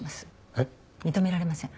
えっ？認められません。